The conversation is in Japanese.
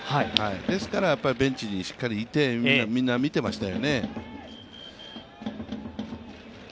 ですからベンチにしっかりいてみんな見てましたよね。